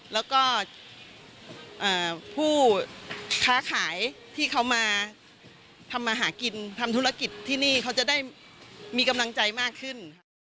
แล้วก็ผู้ค้าขายที่เขามาทำมาหากินทำธุรกิจที่นี่เขาจะได้มีกำลังใจมากขึ้นค่ะ